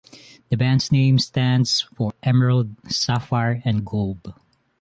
The band's name stands for emerald, sapphire, and gold.